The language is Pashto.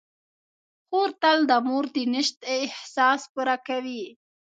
خور تل د مور د نشت احساس پوره کوي.